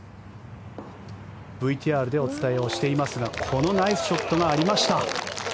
ＶＴＲでお伝えをしていますがこのナイスショットがありました。